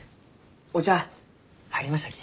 お茶入りましたき。